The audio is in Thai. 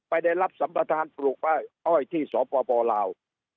ได้รับสัมประธานปลูกป้ายอ้อยที่สปลาว